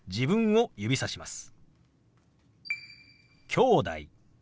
「きょうだい」。